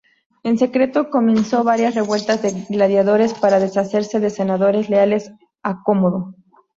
En secreto, comenzó varias revueltas de gladiadores para deshacerse de senadores leales a Cómodo.